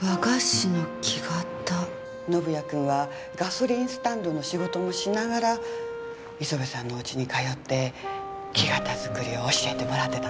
宣也君はガソリンスタンドの仕事もしながら磯部さんのおうちに通って木型作りを教えてもらってたんです。